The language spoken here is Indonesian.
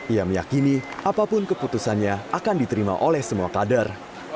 ia meyakini apapun keputusannya akan diterima oleh semua kader